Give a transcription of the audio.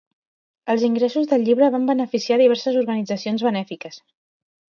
Els ingressos del llibre van beneficiar a diverses organitzacions benèfiques.